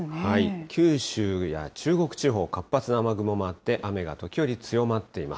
九州や中国地方、活発な雨雲もあって、雨が時折強まっています。